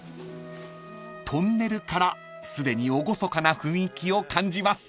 ［トンネルからすでに厳かな雰囲気を感じます］